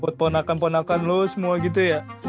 buat ponakan ponakan lo semua gitu ya